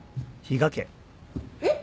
えっ？